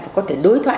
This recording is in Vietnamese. và có thể đối thoại